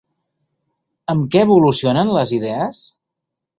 Amb què evolucionen les idees?